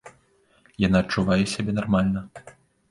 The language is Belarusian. Яна адчувае сябе нармальна.